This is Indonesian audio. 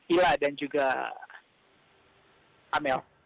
ila dan juga amel